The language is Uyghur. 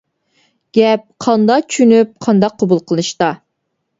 گەپ قانداق چۈشىنىپ، قانداق قوبۇل قىلىشتا.